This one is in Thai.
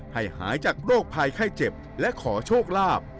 หายจากโรคภัยไข้เจ็บและขอโชคลาภ